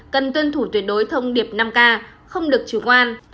cần tuân thủ tuyệt đối thông điệp năm k không được chủ quan